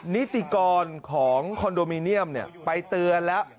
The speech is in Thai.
นิติกรของคอนโดมิเนียมไปเตือนแล้ว